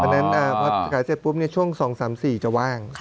ดังนั้นพอขายเสร็จปุ๊บเนี่ยช่วง๒๓๔จะว่าง